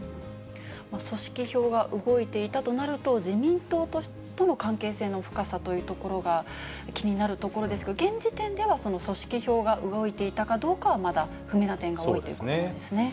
組織票が動いていたとなると、自民党との関係性の深さというところが気になるところですけど、現時点ではその組織票が動いていたかどうかは、まだ不明な点が多いということなんですね。